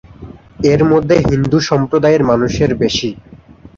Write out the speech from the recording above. এর মধ্যে হিন্দু সম্প্রদায়ের মানুষের বেশি।